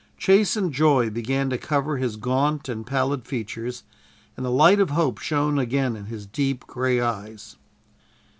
Chastened joy began to cover his gaunt and pallid features, and the light of hope shone again in his deep, gray eyes.